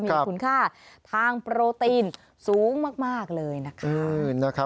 มีคุณค่าทางโปรตีนสูงมากเลยนะคะ